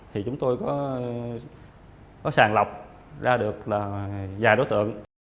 thì chúng tôi có sàn lọc ra được là vài đối tượng